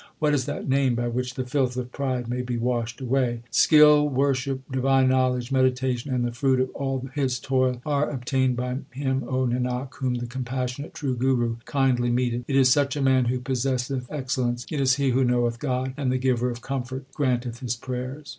What is that Name by which the filth of pride may be washed away ? HYMNS OF GURU ARJAN 143 Skill, worship, divine knowledge, meditation, and the fruit of all his toil Are obtained by him, O Nanak, whom the compassionate true Guru kindly meeteth. It is such a man who possesseth excellence ; it is he who knoweth God ; And the Giver of comfort granteth his prayers.